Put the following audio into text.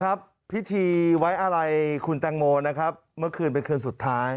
ครับพิธีไว้อะไรคุณแตงโมนะครับเมื่อคืนเป็นคืนสุดท้าย